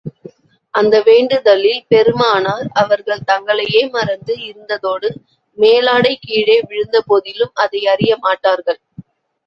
அந்த வேண்டுதலில், பெருமானார் அவர்கள் தங்களையே மறந்து இருந்ததோடு, மேலாடை கீழே விழுந்த போதிலும் அதை அறிய மாட்டார்கள்.